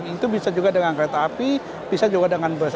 itu bisa juga dengan kereta api bisa juga dengan bus